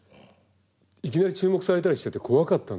いきなり注目されたりしてて怖かったんで。